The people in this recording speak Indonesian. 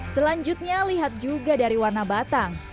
selanjutnya lihat juga dari warna batang